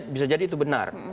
bisa jadi itu benar